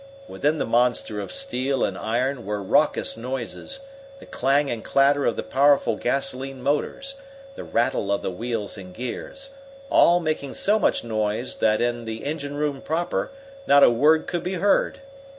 Within the monster of steel and iron were raucous noises: the clang and clatter of the powerful gasolene motors; the rattle of the wheels and gears; all making so much noise that, in the engine room proper, not a word could be heard.